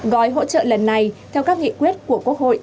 gói hỗ trợ lần này theo các nghị quyết của quốc hội